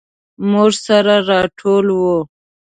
موږ سره راټول وو.